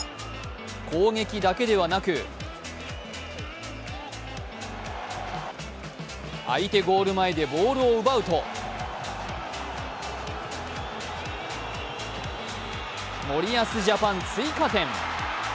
攻撃だけではなく、相手ゴール前でボールを奪うと森保ジャパン追加点。